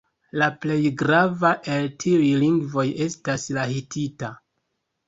La plej grava el tiuj lingvoj estas la hitita.